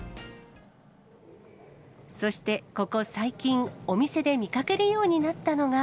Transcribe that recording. そして、ここ最近、お店で見かけるようになったのが。